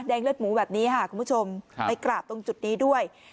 แดงเล็ดหมูแบบนี้ฮะคุณผู้ชมให้กราบตรงจุดนี้ด้วย